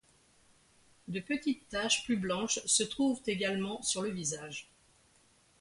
De petites taches plus blanches se trouvent également sur le visage.